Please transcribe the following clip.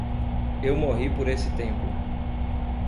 Eu morri por esse tempo.